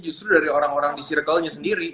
justru dari orang orang di circle nya sendiri